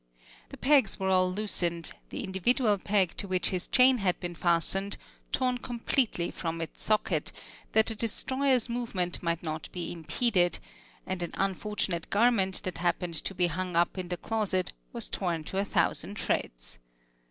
The pegs were all loosened, the individual peg to which his chain had been fastened, torn completely from its socket, that the destroyer's movements might not be impeded, and an unfortunate garment that happened to be hung up in the closet was torn to a thousand shreds.